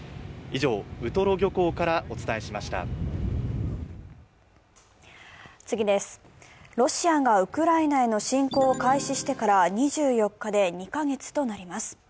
ロシアがウクライナへの侵攻を開始してから２４日で２カ月となります。